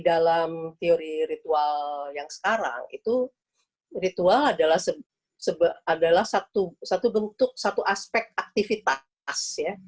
dalam teori ritual yang sekarang itu ritual adalah satu bentuk satu aspek aktivitas